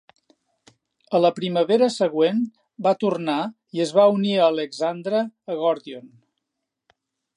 A la primavera següent va tornar i es va unir a Alexandre a Gòrdion.